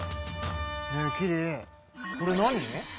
ねえキリこれ何？